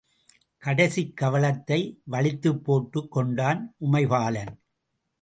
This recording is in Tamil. கடைசிக் கவளத்தை வழித்துப்போட்டுக் கொண்டான் உமைபாலன்.